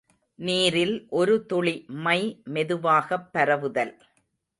நீரில் ஒரு துளி மை மெதுவாகப் பரவுதல்.